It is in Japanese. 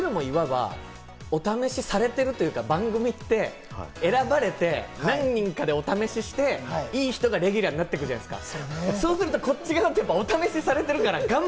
試せるって、僕らもいわば、お試しされてるっていうか、番組って選ばれて何人かでお試しして、いい人がレギュラーになっていくじゃないですか。